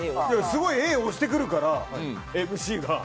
すごいＡを押してくるから、ＭＣが。